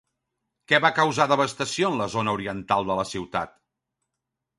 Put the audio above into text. Què va causar devastació en la zona oriental de la ciutat?